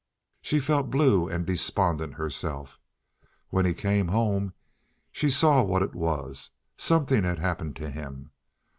She felt blue and despondent herself. When he came home she saw what it was—something had happened to him.